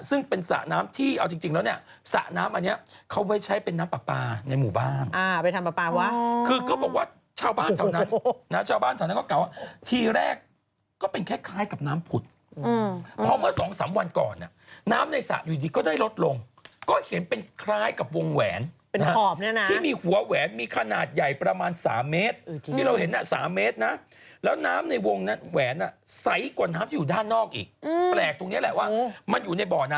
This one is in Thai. ซึ่งเป็นสระน้ำที่เอาจริงแล้วเนี่ยสระน้ำอันเนี่ยเขาไปใช้เป็นน้ำปลาในหมู่บ้าน